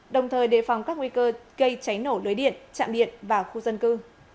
đồng thời đề phòng các nguy cơ gây cháy nổ lưới điện chạm điện và khu dân cư